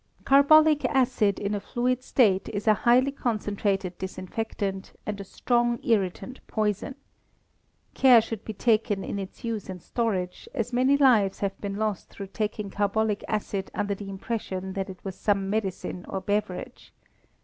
Carbolic acid in a fluid state is a highly concentrated disinfectant, and a strong irritant poison. Care should be taken in its use and storage, as many lives have been lost through taking carbolic acid under the impression that it was some medicine or beverage.